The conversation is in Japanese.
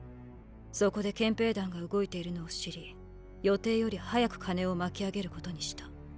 そこで憲兵団が動いているのを知り予定より早く金を巻き上げることにした。